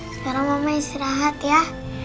sekarang mama istirahat ya